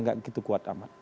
enggak begitu kuat amat